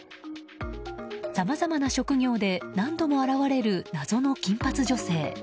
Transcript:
さまざまな職業で何度も現れる謎の金髪女性。